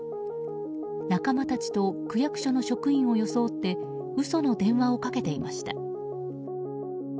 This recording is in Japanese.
仲間たちと区役所の職員を装って嘘の電話をかけていました。